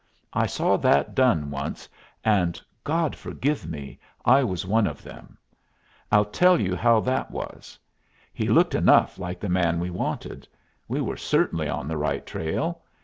I saw that done once, and God forgive me! I was one of them. I'll tell you how that was. He looked enough like the man we wanted. We were certainly on the right trail.